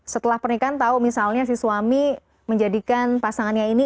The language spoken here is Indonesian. setelah pernikahan tahu misalnya si suami menjadikan pasangannya ini